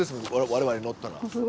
我々乗ったら。